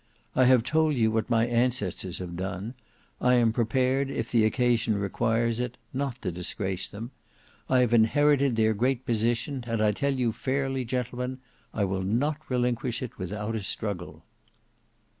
I have told you what my ancestors have done; I am prepared, if the occasion requires it, not to disgrace them; I have inherited their great position, and I tell you fairly, gentlemen, I will not relinquish it without a struggle."